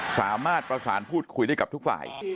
สามารถประสานพูดคุยได้กับทุกฝ่าย